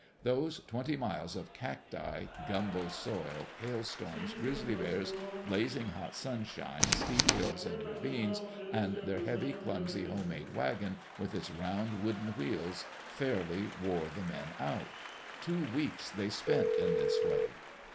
Those twenty miles of cacti, gumbo soil, hailstorms, grizzly bears, blazing hot sunshine, steep hills and ravines, and their heavy, clumsy, home made wagon with its round wooden wheels, fairly wore the men out. Two weeks they spent in this way.